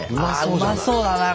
うまそうだなこれ。